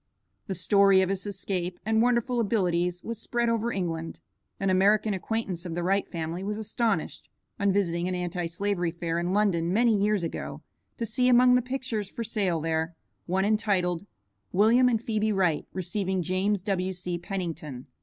The story of his escape and wonderful abilities was spread over England. An American acquaintance of the Wright family was astonished, on visiting an Anti slavery fair in London many years ago, to see among the pictures for sale there, one entitled, "William and Phebe Wright receiving James W.C. Pennington."